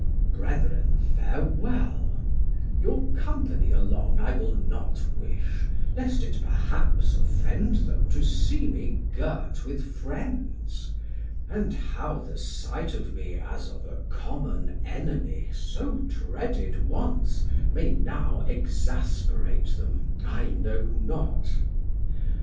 Sam: Brethren farewel, your company along I will not wish, lest it perhaps offend them To see me girt with Friends; and how the sight Of me as of a common Enemy, So dreaded once, may now exasperate them I know not.